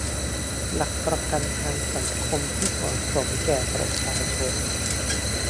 หลักประกันทางสังคมที่เหมาะสมแก่ประชาชน